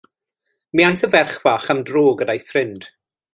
Mi aeth y ferch fach am dro gyda'i ffrind.